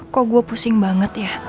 kok gue pusing banget ya